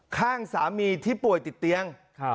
ข้างสามีที่ป่วยติดเตียง